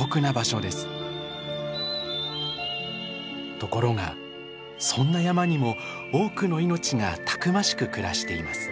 ところがそんな山にも多くの命がたくましく暮らしています。